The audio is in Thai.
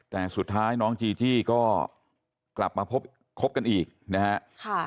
แต่สุดท้ายน้องจีจี้ก็กลับมาพบกันอีกนะฮะ